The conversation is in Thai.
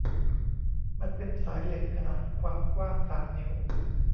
มันเป็นสายเหล็กขนาดความกว้างสามนิ้ว